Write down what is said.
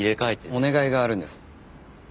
お願いがあるんです。